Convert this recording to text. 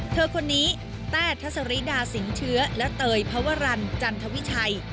เธอคนนี้ต้าทสรีดาสิงเชื้อและเตยพาวอรันจันทวิชัย